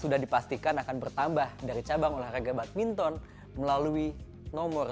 sejarah kembali tercipta dan berubah menjadi sebuah kegembiraan yang beruntungan untuk indonesia di ajang olimpiade